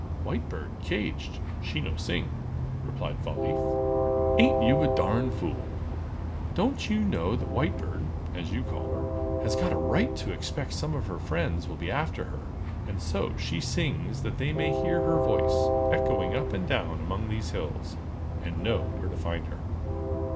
"White Bird caged—she no sing!" replied Fall leaf. "Ain't you a darn fool? Don't you know that White Bird, as you call her, has got a right to expect some of her friends will be after her, and so she sings that they may hear her voice, echoing up and down among these hills, and know where to find her?"